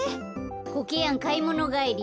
コケヤンかいものがえり？